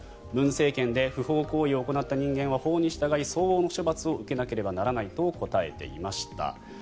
文政権で不法行為を行った人間は法に従い相応の処罰を受けなければならないと答えていました。